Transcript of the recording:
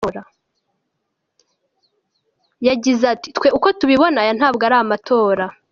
Yagize ati “Twe uko tubibona aya ntabwo ari amatora.